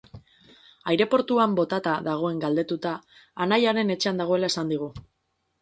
Aireportuan botata dagoen galdetuta, anaiaren etxean dagoela esan digu.